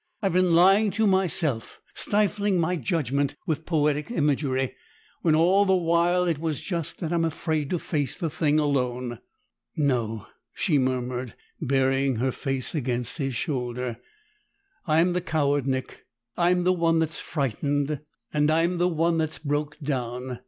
I've been lying to myself, stifling my judgment with poetic imagery, when all the while it was just that I'm afraid to face the thing alone!" "No," she murmured, burying her face against his shoulder. "I'm the coward, Nick. I'm the one that's frightened, and I'm the one that broke down!